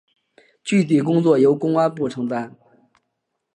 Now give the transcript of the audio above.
具体工作由公安部承担。